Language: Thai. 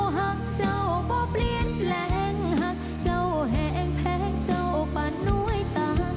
หักเจ้าเพราะเปลี่ยนแหลงหักเจ้าแห้งแพงเจ้าปาน้วยตา